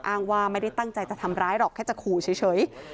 อ้างว่าไม่ได้ตั้งใจจะทำร้ายหรอกแค่จะขู่เฉย